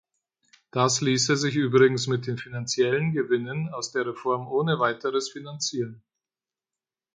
Das ließe sich übrigens mit den finanziellen Gewinnen aus der Reform ohne weiteres finanzieren.